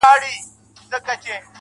• نن والله پاك ته لاسونه نيسم.